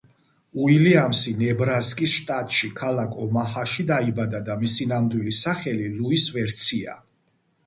უილიამსი ნებრასკის შტატში, ქალაქ ომაჰაში დაიბადა და მისი ნამდვილი სახელი ლუის ვერცია.